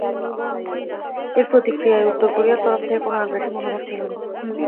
এর প্রতিক্রিয়ায় উত্তর কোরিয়ার তরফ থেকে কোনো আগ্রাসী মনোভাব ছিল না।